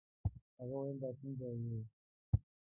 هغه ویل د کوم ځای یې.